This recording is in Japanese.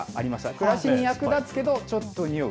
暮らしに役立つけど、ちょっとにおう。